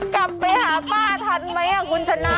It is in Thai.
กลับไปหาป้าทันไหมคุณชนะ